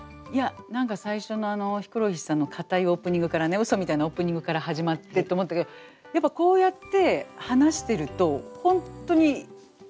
何か最初のあのヒコロヒーさんの硬いオープニングからねうそみたいなオープニングから始まってと思ったけどやっぱこうやって話してると本当に雑談に近くなってくというか。